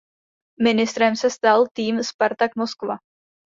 Mistrem se stal tým Spartak Moskva.